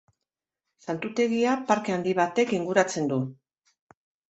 Santutegia parke handi batek inguratzen du.